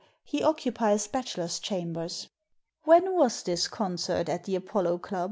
He occupies bachelor's chambers." " When was this concert at the Apollo Club